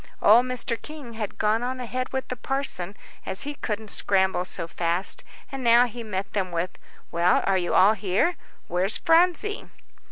Old Mr. King had gone on ahead with the parson, as he couldn't scramble so fast. And now he met them with, "Well, are you all here where's Phronsie?"